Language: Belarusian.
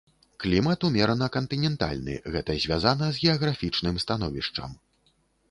Клімат умерана-кантынентальны, гэта звязана з геаграфічным становішчам.